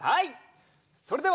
それでは。